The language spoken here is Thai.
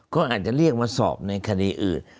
ก็อาจจะเรียกมาสอบในคดีอื่น